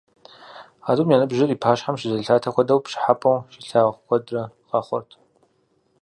А тӏум я ныбжьыр и пащхьэм щызелъатэ хуэдэу, пщӏыхьэпӏэу щилъагъу куэдрэ къэхъурт.